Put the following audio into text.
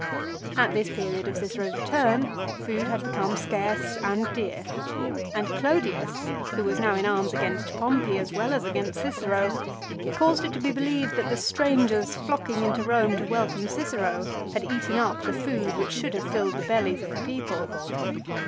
At this period of Cicero's return food had become scarce and dear, and Clodius, who was now in arms against Pompey as well as against Cicero, caused it to be believed that the strangers flocking into Home to welcome Cicero had eaten up the food which should have filled the bellies of the people.